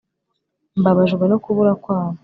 mbabajwe no kubura kwabo